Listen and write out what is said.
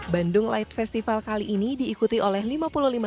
bandung light festival kali ini diikuti oleh lima puluh lima orang